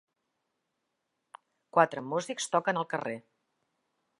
Quatre músics toquen al carrer.